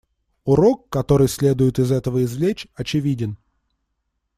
Урок, который следует из этого извлечь, очевиден.